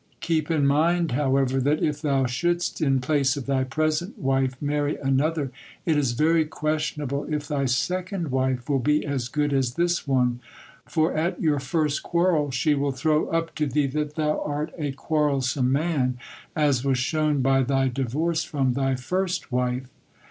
Keep in mind, however, that if thou shouldst in place of thy present wife marry another, it is very questionable if thy second wife will be as good as this one; for at your first quarrel she will throw up to thee that thou art a quarrelsome man, as was shown by thy divorce from thy first wife."